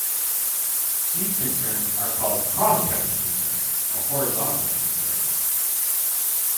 These concerns are called "cross-cutting concerns" or horizontal concerns.